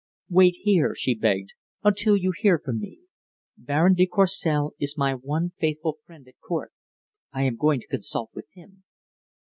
"Wait here," she begged, "until you hear from me. Baron de Courcelles is my one faithful friend at Court. I am going to consult with him."